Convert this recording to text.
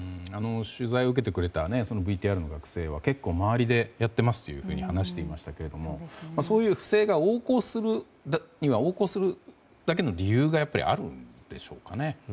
取材を受けてくれたＶＴＲの学生は結構、周りでやってますと話していましたがそういう不正が横行するには横行するだけの理由がやっぱりあるんでしょうかね。